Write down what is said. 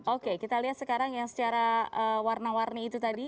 oke kita lihat sekarang yang secara warna warni itu tadi